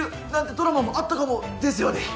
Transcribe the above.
ドラマもあったかも？ですよね！